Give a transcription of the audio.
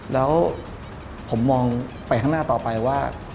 แล้วผมมองไปข้างหน้าต่อไปว่า